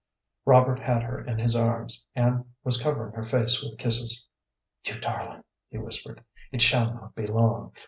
Robert had her in his arms, and was covering her face with kisses. "You darling," he whispered. "It shall not be long.